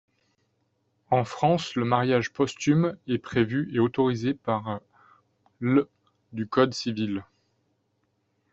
En France, le mariage posthume est prévu et autorisé par l’ du Code civil.